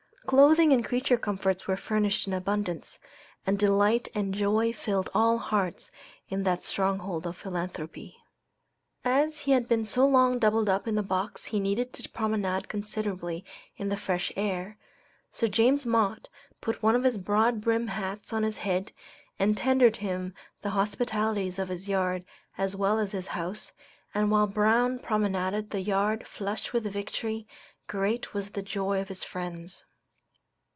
Clothing and creature comforts were furnished in abundance, and delight and joy filled all hearts in that stronghold of philanthropy. As he had been so long doubled up in the box he needed to promenade considerably in the fresh air, so James Mott put one of his broad brim hats on his head and tendered him the hospitalities of his yard as well as his house, and while Brown promenaded the yard flushed with victory, great was the joy of his friends.